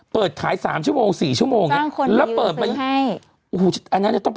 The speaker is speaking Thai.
เปิดขาย๓ชั่วโมง๔ชั่วโมง